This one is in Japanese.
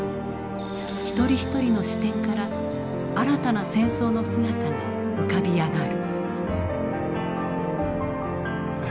ひとりひとりの視点から新たな戦争の姿が浮かび上がる。